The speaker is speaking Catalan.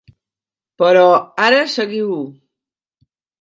Però ara seguiu-ho!